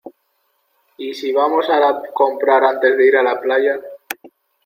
Y si vamos a comprar antes de ir a la playa.